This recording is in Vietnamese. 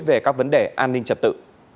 về các vấn đề an ninh trật tự